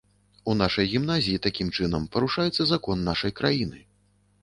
У нашай гімназіі, такім чынам, парушаецца закон нашай краіны.